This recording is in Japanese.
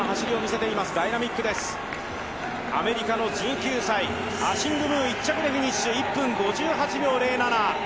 アメリカの１９歳アシング・ムー１着でフィニッシュ、１分５８秒０７。